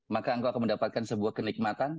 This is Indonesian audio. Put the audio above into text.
maka engkau akan mendapatkan sebuah kenikmatan